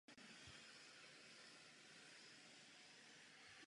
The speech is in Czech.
Poměrně brzo bylo vše opraveno.